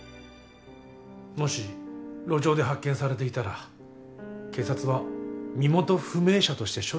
もし路上で発見されていたら警察は身元不明者として処理していたでしょう。